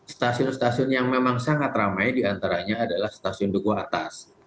stasiun stasiun yang memang sangat ramai diantaranya adalah stasiun duku atas